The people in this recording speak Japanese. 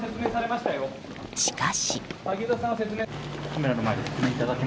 しかし。